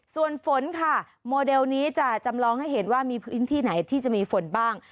ส่วนฝนค่ะโมเดลนี้จะจำลองให้เห็นว่ามีพื้นที่ไหนที่จะมีฝนบ้าง